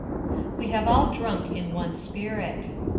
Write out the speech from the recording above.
We have all drunk in one Spirit.